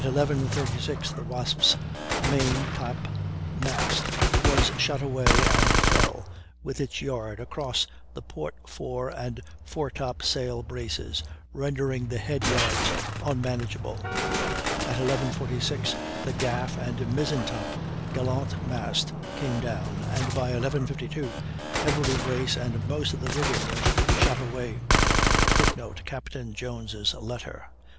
36 the Wasp's maintop mast was shot away and fell, with its yard, across the port fore and foretop sail braces, rendering the head yards unmanageable; at 11.46 the gaff and mizzentop gallant mast came down, and by 11.52 every brace and most of the rigging was shot away. [Footnote: Capt. Jones' letter.